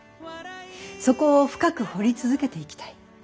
そこを深く掘り続けていきたい。